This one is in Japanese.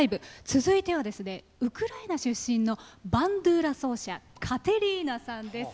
続いては、ウクライナ出身のバンドゥーラ奏者カテリーナさんです。